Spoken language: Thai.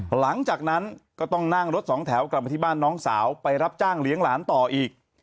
หลังจากนั้นก็ต้องนั่งรถสองแถวกลับมาที่บ้านน้องสาวไปรับจ้างเลี้ยงหลานต่ออีก